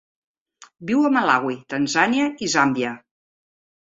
Viu a Malawi, Tanzània i Zàmbia.